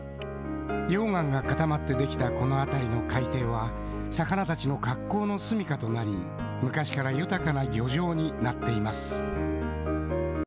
溶岩が固まって出来たこの辺りの海底は、魚たちの格好の住みかとなり、昔から豊かな漁場になっています。